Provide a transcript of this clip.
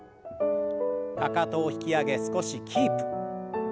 かかとを引き上げ少しキープ。